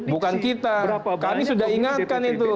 bukan kita kami sudah ingatkan itu